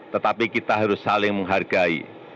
tetapi kita harus saling menghargai